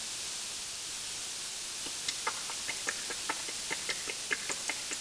Each drop contains a refracted image of Gabriel's face.